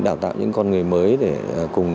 đào tạo những con người mới để cùng